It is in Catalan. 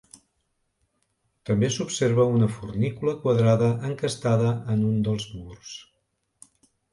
També s'observa una fornícula quadrada encastada en un dels murs.